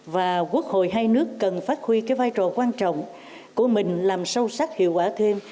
và quốc hội hai nước cần phát huy cái vai trò quan trọng của mình làm sâu sắc hiệu quả thêm